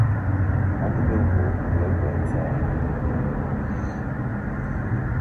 On the "Billboard" Global Excl.